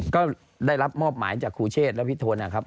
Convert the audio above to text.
ก็ได้รับมอบหมายจากครูเชษและพี่ทนนะครับ